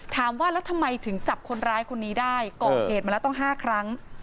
ถามว่าแล้วทำไมถึงจับคนร้ายคนนี้ได้ก่อเหตุมาแล้วต้อง๕ครั้ง